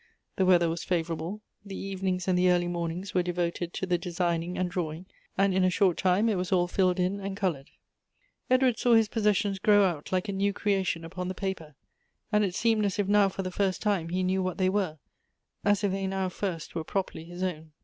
The weather was favorable. The evenings and the early mornings were devoted to the designing and drawing, and in a short time it was all filled in and colored. Edward saw his possessions grow out like a new creation upon the paper ; and it seemed as if now for the first time he knew what they were, as if they now first were properly his own.